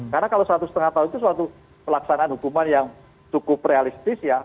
karena kalau satu setengah tahun itu suatu pelaksanaan hukuman yang cukup realistis ya